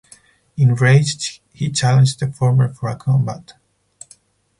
Enraged, he challenged the former for a combat.